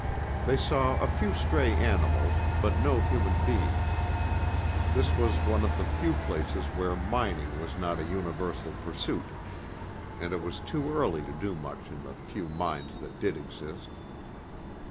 They saw a few stray animals, but no human beings. This was one of the few places where mining was not a universal pursuit, and it was too early to do much in the few mines that did exist.